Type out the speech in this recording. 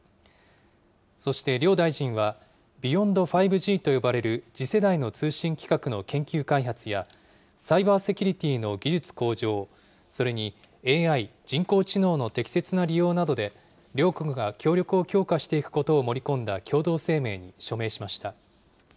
そして両大臣は、ビヨンド５Ｇと呼ばれる次世代の通信規格の研究開発や、サイバーセキュリティーの技術向上、それにＡＩ・人工知能の適切な利用などで、両国が協力を強化していくことを盛り込んだ共同声明に署名しました。